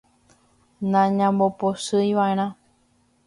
Nañambopochyiva'erã.